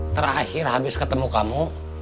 terakhir habis ketemu kamu